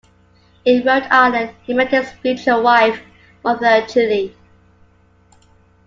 In Rhode Island he met his future wife, Martha Chile.